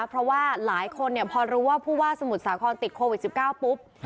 เพราะว่าหลายคนพอรู้ว่าผู้ว่าสมุทรสาครติดโควิด๑๙ปุ๊บ